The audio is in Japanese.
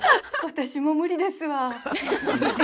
私も無理ですわ。